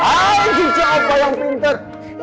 hai siapa yang pinter